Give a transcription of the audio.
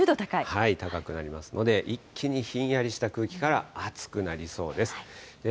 高くなりますので、一気にひんやりした空気から、暑くなりそうです。